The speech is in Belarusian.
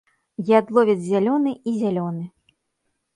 Ядловец зялёны і зялёны.